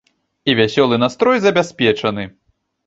І вясёлы настрой забяспечаны.